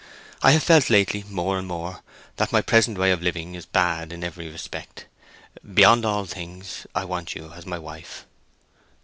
I have felt lately, more and more, that my present way of living is bad in every respect. Beyond all things, I want you as my wife."